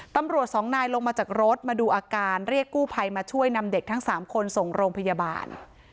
ตำรวจสองนายลงมาจากรถมาดูอาการเรียกกู้ภัยมาช่วยนำเด็กทั้ง๓คนส่งโรงพยาบาล